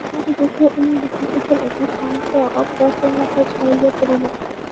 আমাকে দেখিয়া অনুর মুখের উপর একটি শান্ত প্রসন্নতা ছড়াইয়া পড়িল।